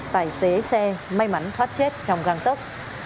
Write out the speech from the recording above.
tài xế xe may mắn thoát chết trong găng tốc